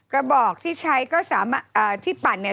กระบอกที่ใช้ก็ที่ปั่นเนี่ย